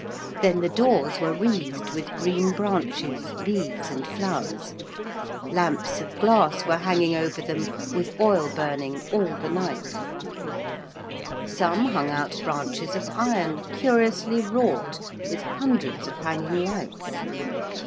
Then the doors were wreathed with green branches, leaves, and flowers: lamps of glass were hanging over them with oil burning all the night: some hung out branches of iron curiously wrought with hundreds of hanging lights.